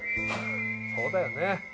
そうだよね。